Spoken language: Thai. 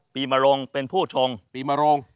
ปีมะโรงเป็นผู้ชง